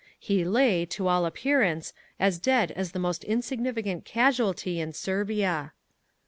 He lay, to all appearance, as dead as the most insignificant casualty in Servia.